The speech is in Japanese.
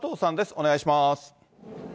お願いします。